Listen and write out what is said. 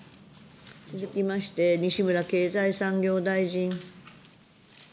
続きまして、西村経済産業大臣。